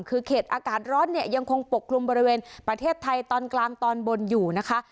คือเขตอากาศร้อนเนี่ยยังคงปกคลุมบริเวณประเทศไทยตอนกลางตอนบนอยู่นะคะ